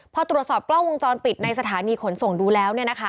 พอตรวจสอบกล้องวงจรปิดในสถานีขนส่งดูแล้ว